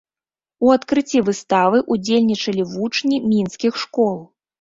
У адкрыцці выставы ўдзельнічалі вучні мінскіх школ.